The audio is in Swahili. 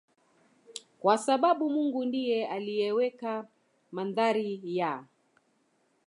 kwa sababu Mungu ndiye aliyeweka mandhari ya